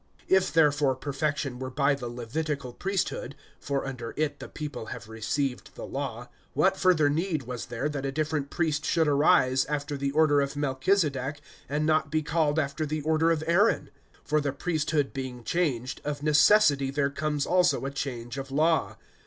(11)If therefore perfection were by the Levitical priesthood (for under it the people have received the law), what further need was there that a different priest should arise, after the order of Melchizedek, and not be called after the order of Aaron? (12)For the priesthood being changed, of necessity there comes also a change of law.